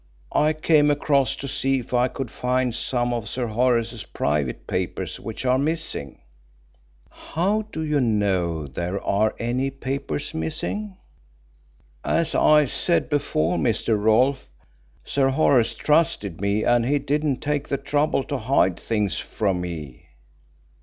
I came across to see if I could find some of Sir Horace's private papers which are missing." "How do you know there are any papers missing?" "As I said before, Mr. Rolfe, Sir Horace trusted me and he didn't take the trouble to hide things from me."